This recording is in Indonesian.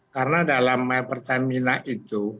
karena dalam my pertamina itu